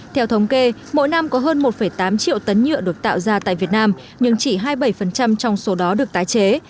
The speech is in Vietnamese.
theo thống kê mỗi năm có hơn một tám triệu tấn nhựa được tạo ra tại việt nam nhưng chỉ hai mươi bảy trong số đó được tái chế